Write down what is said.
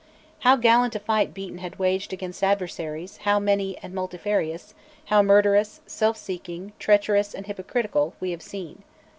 How gallant a fight Beaton had waged against adversaries how many and multifarious, how murderous, self seeking, treacherous, and hypocritical, we have seen.